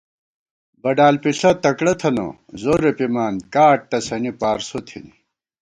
بڈال پِݪہ تکڑہ تھنہ، زورےپِمان کاٹ تسَنی پارسوتھنی